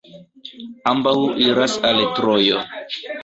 Ambaŭ iras al Trojo.